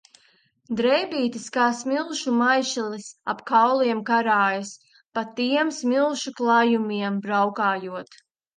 Drēbītes kā smilšu maišelis ap kauliem karājas, pa tiem smilšu klajumiem braukājot.